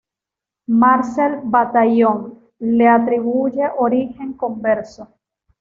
Marcel Bataillon le atribuye origen converso.